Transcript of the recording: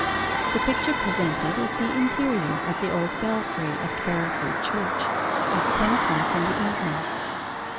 The picture presented is the interior of the old belfry of Carriford Church, at ten o'clock in the evening.